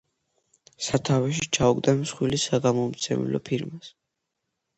სათავეში ჩაუდგა მსხვილ საგამომცემლო ფირმას.